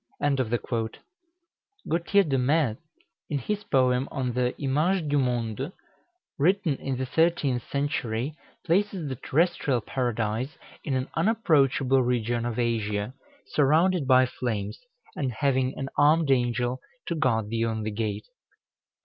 Gautier de Metz, in his poem on the "Image du Monde," written in the thirteenth century, places the terrestrial Paradise in an unapproachable region of Asia, surrounded by flames, and having an armed angel to guard the only gate.